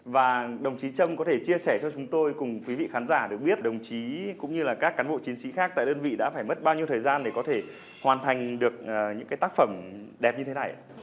và đồng chí trâm có thể chia sẻ cho chúng tôi cùng quý vị khán giả được biết đồng chí cũng như là các cán bộ chiến sĩ khác tại đơn vị đã phải mất bao nhiêu thời gian để có thể hoàn thành được những tác phẩm đẹp như thế này